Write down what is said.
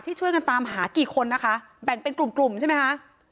ช่วยกันตามหากี่คนนะคะแบ่งเป็นกลุ่มกลุ่มใช่ไหมคะ